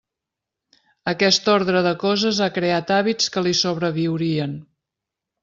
Aquest ordre de coses ha creat hàbits que li sobreviurien.